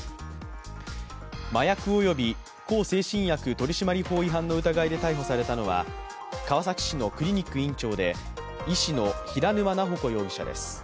麻薬及び向精神薬取締法違反の疑いで逮捕されたのは川崎市のクリニック院長で医師の平沼菜穂子容疑者です。